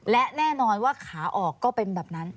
และแน่นอนว่าขาออกก็เป็นแบบนั้น